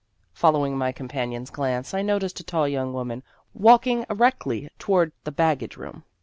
Following my companion's glance, I no ticed a tall young woman walking erectly toward the baggage room.